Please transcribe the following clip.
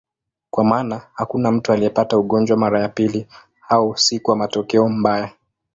Kwa maana hakuna mtu aliyepata ugonjwa mara ya pili, au si kwa matokeo mbaya.